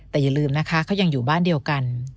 แต่อย่าลืมนะคะเขายังอยู่บ้านเดียวกัน